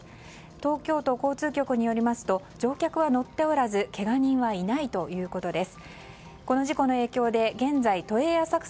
東京都交通局によりますと乗客は乗っておらずけが人はいないということです。